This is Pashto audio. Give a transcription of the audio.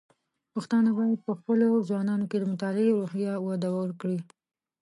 پښتانه بايد په خپلو ځوانانو کې د مطالعې روحيه وده ورکړي.